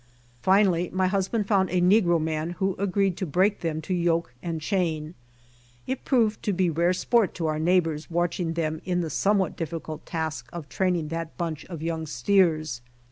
Finally my husband found a negro man who agreed to break them to yoke and chain. It proved to be rare sport to our neighbors watching them in, the some what difficult task of training that bunch of young steers.